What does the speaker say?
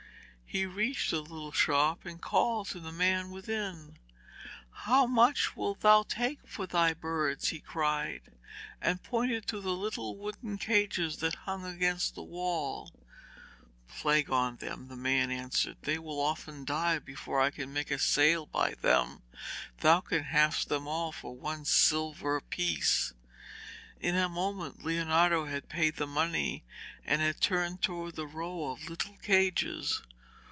He reached the little shop and called to the man within. 'How much wilt thou take for thy birds?' he cried, and pointed to the little wooden cages that hung against the wall. 'Plague on them,' answered the man, 'they will often die before I can make a sale by them. Thou canst have them all for one silver piece.' In a moment Leonardo had paid the money and had turned towards the row of little cages.